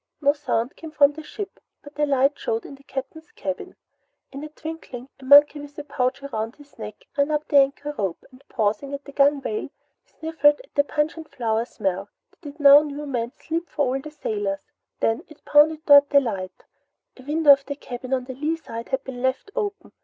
No sound came from the ship but a light showed in the Captain's cabin. In a twinkling, a monkey with a pouch about its neck ran up the anchor rope and pausing on the gunwale, sniffed at the pungent flower smell that it now knew meant sleep for all the sailors. Then it bounded toward the light. A window of the cabin on the lee side had been left open.